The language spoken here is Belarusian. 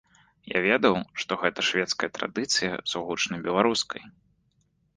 Я ведаў, што гэта шведская традыцыя сугучна беларускай.